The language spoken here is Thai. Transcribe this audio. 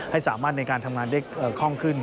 ให้สามารถในการทำงานได้คล่องขึ้น